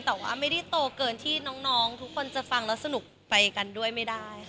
แต่ว่าไม่ได้โตเกินที่น้องทุกคนจะฟังแล้วสนุกไปกันด้วยไม่ได้ค่ะ